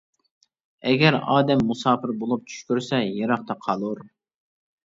ئەگەر ئادەم مۇساپىر بولۇپ چۈش كۆرسە يىراقتا قالۇر.